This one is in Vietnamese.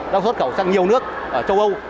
đang xuất khẩu sang nhiều nước ở châu âu